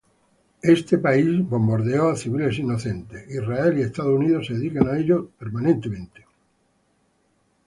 Ese país bombardeó a civiles inocentes.